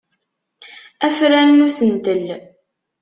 Afran n usentel.